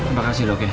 terima kasih dok ya